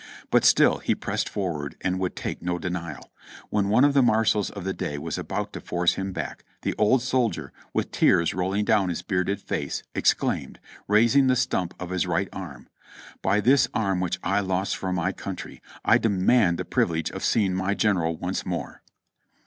But still he pressed forward and would take no denial. When one of the marshals of the day was about to force him back, the old soldier, with the tears rolling down his bearded face, exclaimed, raising the stump of his right arm : "By this arm which I lost for my country, I demand the priv ilege of seeing my general once more."